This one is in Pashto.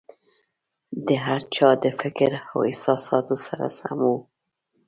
د هر چا د فکر او احساساتو سره سم وو.